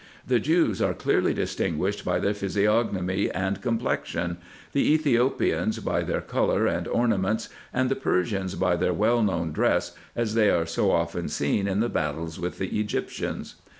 The Jews are clearly distinguished by their physiognomy and com plexion, the Ethiopians by their colour and ornaments, and the Persians by their well known dress, as they are so often seen in the battles with the Egyptians.